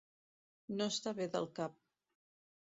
No estar bé del cap.